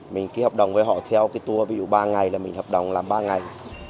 mình ký hợp đồng với họ theo cái tour ví dụ ba ngày là mình hợp đồng là ba ngày